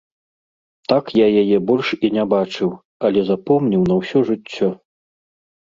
Так я яе больш і не бачыў, але запомніў на ўсё жыццё.